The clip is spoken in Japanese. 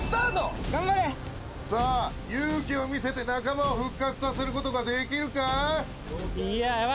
勇気を見せて仲間を復活させることができるか？